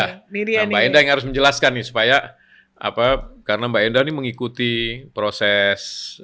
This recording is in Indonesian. nah mbak enda yang harus menjelaskan nih supaya karena mbak enda ini mengikuti proses